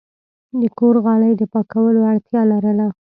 د کور غالی د پاکولو اړتیا لرله.